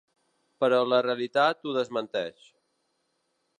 Però la realitat ho desmenteix.